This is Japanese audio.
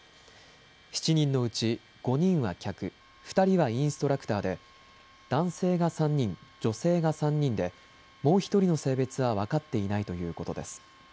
７人のうち５人は客、２人はインストラクターで男性が３人、女性が３人でもう１人の性別は分かっていないということです。